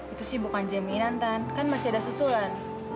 itu sih bukan jaminan kan masih ada susulan